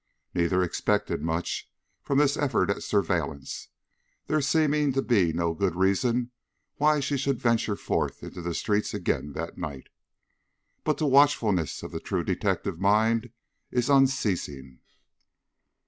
Neither expected much from this effort at surveillance, there seeming to be no good reason why she should venture forth into the streets again that night. But the watchfulness of the true detective mind is unceasing.